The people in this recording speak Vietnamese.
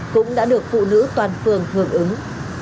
cũng đã được phụ nữ toàn phường hưởng ứng